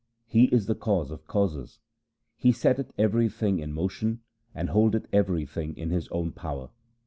He is the Cause of causes. He setteth everything in motion, and hold eth everything in His own power.